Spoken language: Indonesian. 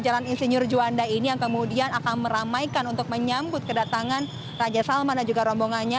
jalan insinyur juanda ini yang kemudian akan meramaikan untuk menyambut kedatangan raja salman dan juga rombongannya